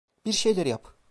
Bir şeyler yap!